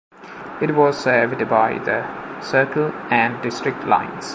It was served by the Circle and District lines.